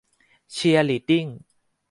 เชียร์ลีดดิ้ง